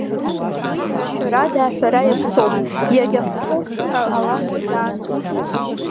Уи мҩашьарада аҳәара иаԥсоуп, иагьахәҭоуп ҳәа ҳгәы иаанагоит.